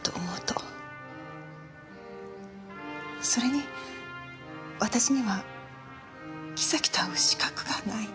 それに私には木崎と会う資格がない。